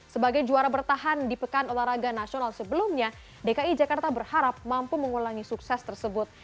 sebagai juara bertahan di pekan olahraga nasional sebelumnya dki jakarta berharap mampu mengulangi sukses tersebut